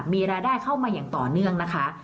มีรายได้เข้ามาอย่างต่อเนื่องนะคะ